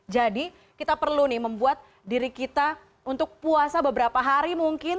jadi kita perlu nih membuat diri kita untuk puasa beberapa hari mungkin